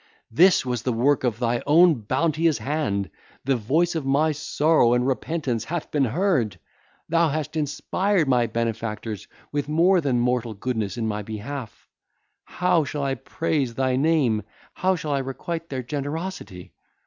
this was the work of thy own bounteous hand; the voice of my sorrow and repentance hath been heard. Thou hast inspired my benefactors with more than mortal goodness in my behalf; how shall I praise thy name! how shall I requite their generosity!